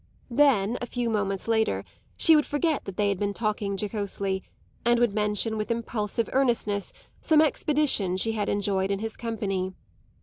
Then, a few moments later, she would forget that they had been talking jocosely and would mention with impulsive earnestness some expedition she had enjoyed in his company.